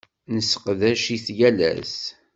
Nesseqdac-it yal ass.